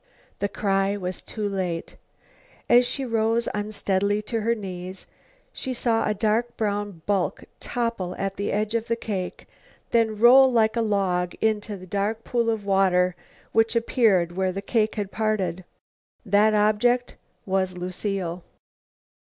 The cry was too late. As she rose unsteadily to her knees, she saw a dark brown bulk topple at the edge of the cake, then roll like a log into the dark pool of water which appeared where the cake had parted. That object was Lucile.